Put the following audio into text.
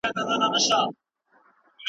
موږ د فساد پر ضد مبارزه کوو.